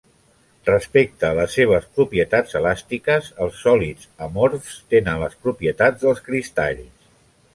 Respecte a les seves propietats elàstiques, els sòlids amorfs tenen les propietats dels cristalls.